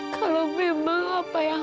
kalau memang apa yang